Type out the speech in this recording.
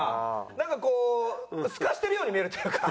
なんかこうスカしてるように見えるというか。